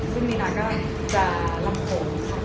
ซึ่งมีนาก็จะลำโผล่ครับ